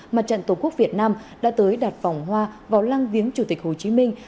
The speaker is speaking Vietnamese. mặt trận tổ quốc việt nam đã tới đặt vòng hoa vào lăng viếng chủ tịch hồ chí minh